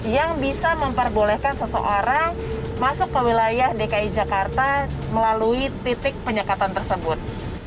yang bisa memperbolehkan seseorang masuk ke wilayah dki jakarta melalui titik penyekatan tersebut